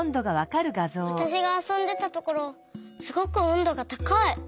わたしがあそんでたところすごくおんどがたかい！